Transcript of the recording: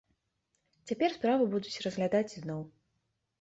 Цяпер справу будуць разглядаць зноў.